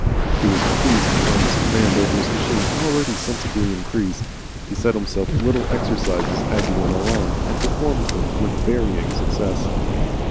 He was pleased to find his command over his machine already sensibly increased. He set himself little exercises as he went along and performed them with variable success.